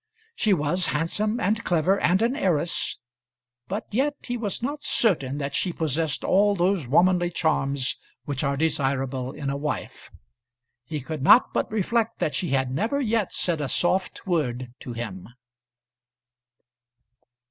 She was handsome, and clever, and an heiress; but yet he was not certain that she possessed all those womanly charms which are desirable in a wife. He could not but reflect that she had never yet said a soft word to him.